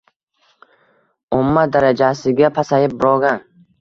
Omma darajasiga pasayib brogan.